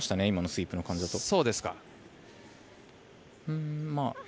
今のスイープの感じだと。